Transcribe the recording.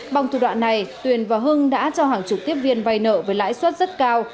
bằng thủ đoạn này tuyền và hưng đã cho hàng chục tiếp viên vay nợ với lãi suất rất cao